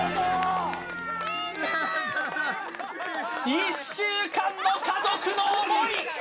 １週間の家族の思い！